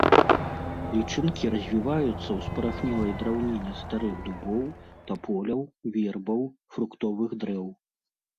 Лічынкі развіваюцца ў спарахнелай драўніне старых дубоў, таполяў, вербаў, фруктовых дрэў.